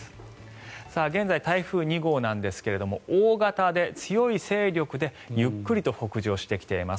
現在、台風２号ですが大型で強い勢力でゆっくりと北上してきています。